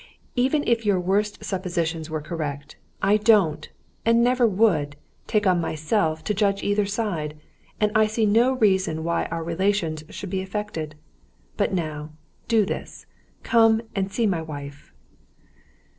"Even if your worst suppositions were correct, I don't—and never would—take on myself to judge either side, and I see no reason why our relations should be affected. But now, do this, come and see my wife."